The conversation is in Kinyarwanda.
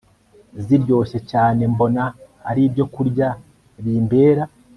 ziryoshye cyane Mbona ari ibyokurya bimbera